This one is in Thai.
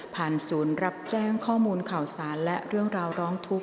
ศูนย์รับแจ้งข้อมูลข่าวสารและเรื่องราวร้องทุกข